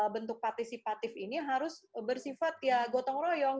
bentuk partisipatif ini harus bersifat ya gotong royong